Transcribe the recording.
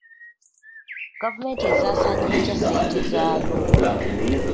Gavumenti esaasaanya etya ssente zaayo?